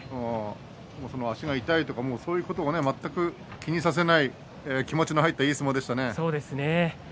足が痛いとかそういうことを全く気にさせない気持ちの入ったいい相撲でした。